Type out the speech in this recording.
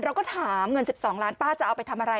เราก็ถามเงิน๑๒ล้านป้าจะเอาไปทำอะไร